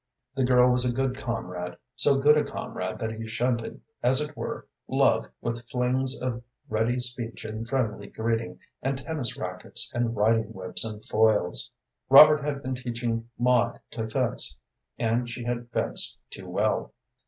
The girl was a good comrade, so good a comrade that she shunted, as it were, love with flings of ready speech and friendly greeting, and tennis rackets and riding whips and foils. Robert had been teaching Maud to fence, and she had fenced too well.